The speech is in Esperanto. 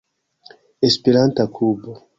Esperanta klubo.